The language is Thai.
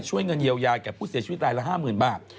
เงินเยียวยาแก่ผู้เสียชีวิตรายละ๕๐๐๐บาท